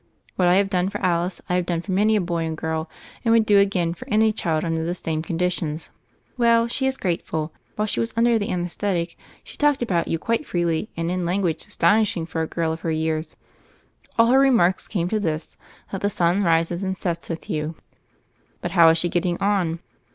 What I have done for Alice, I have done for many a boy and girl, and would do again for any child under the same conditions." , "Well, she is grateful. While she was under the anaesthetic she talked about you quite freely and in language astonishing for a girl of her THE FAIRY OF THE SNOWS 193 years. All her remarks came to this, that the sun rises and sets with you." "But how is she getting on?"